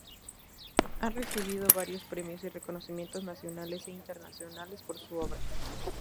Ha recibido varios premios y reconocimientos nacionales e internacionales por su obra.